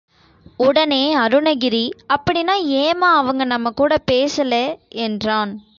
உடனே அருணகிரி அப்படீன்னா ஏன் அம்மா அவங்க நம்ம கூட பேசல்லே? என்றான்.